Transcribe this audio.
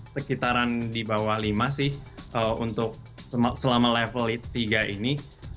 sekitaran di bawah lima sih untuk selama level tiga ini